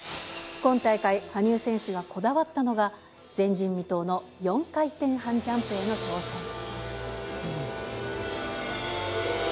今大会、羽生選手がこだわったのが、前人未到の４回転半ジャンプへの挑戦。